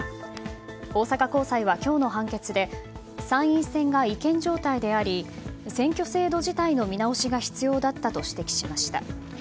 大阪高裁は今日の判決で参院選が違憲状態であり選挙制度自体の見直しが必要だったと指摘しました。